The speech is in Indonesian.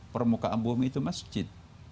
permukaan bumi itu masjid